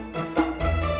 lo mau ke warung dulu